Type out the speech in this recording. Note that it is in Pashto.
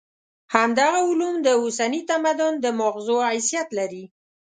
همدغه علوم د اوسني تمدن د ماغزو حیثیت لري.